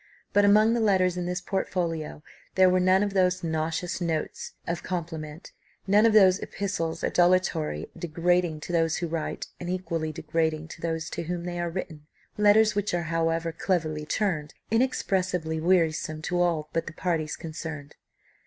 But among the letters in this portfolio, there were none of those nauseous notes of compliment, none of those epistles adulatory, degrading to those who write, and equally degrading to those to whom they are written: letters which are, however cleverly turned, inexpressibly wearisome to all but the parties concerned.